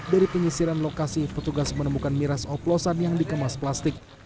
dari penyisiran lokasi petugas menemukan miras oplosan yang dikemas plastik